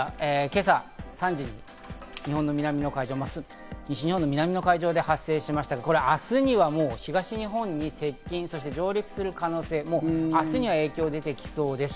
今朝３時に日本の南の海上、西日本の南の海上で発生しましたが、こちら明日には東日本に接近、そして上陸する可能性、明日には影響が出てきそうです。